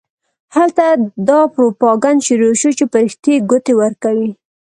هلته دا پروپاګند شروع شو چې فرښتې ګوتې ورکوي.